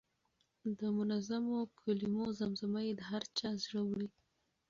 د منظومو کلمو زمزمه یې د هر چا زړه وړه.